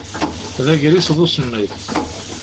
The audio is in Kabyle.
D agris d usemmiḍ.